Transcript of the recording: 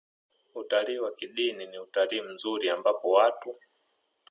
Utalii wa kidini ni utalii mzuri ambapo watu